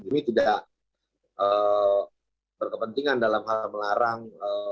ini tidak berkepentingan dalam hal melarang